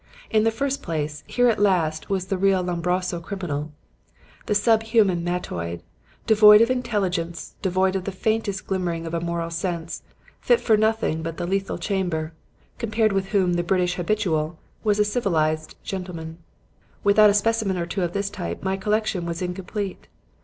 In the first place, here at last was the real Lombroso criminal, the sub human mattoid, devoid of intelligence, devoid of the faintest glimmering of moral sense, fit for nothing but the lethal chamber; compared with whom the British 'habitual' was a civilized gentleman. Without a specimen or two of this type, my collection was incomplete.